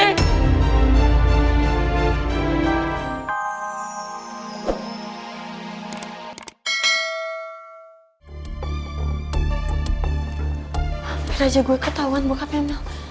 hampir aja gue ketahuan bokapnya mel